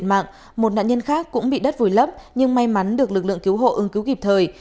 mạng một nạn nhân khác cũng bị đất vùi lấp nhưng may mắn được lực lượng cứu hộ ứng cứu kịp thời